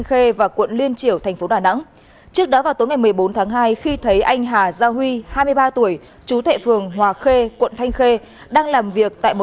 xin chào và hẹn gặp lại